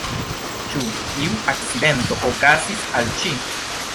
Ĉu iu akcidento okazis al ŝi?